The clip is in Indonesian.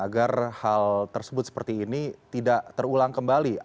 agar hal tersebut seperti ini tidak terulang kembali